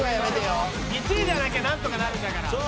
１位じゃなきゃなんとかなるんだから。